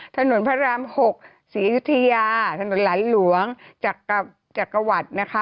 ถนนพระราม๖ศรีอยุธยาถนนหลานหลวงจักรวรรดินะคะ